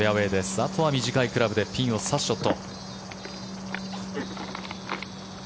あとは短いクラブでピンを刺すショット。